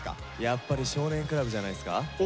やっぱり「少年倶楽部」じゃないですか。